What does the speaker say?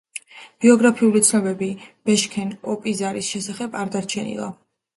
ბიოგრაფიული ცნობები ბეშქენ ოპიზარის შესახებ არ დარჩენილა.